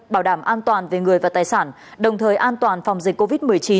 bảo đảm an toàn về người và tài sản đồng thời an toàn phòng dịch covid một mươi chín